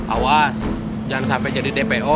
awas jangan sampai jadi dpo